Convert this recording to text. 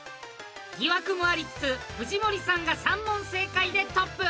疑惑もありつつ藤森さんが、３問正解でトップ。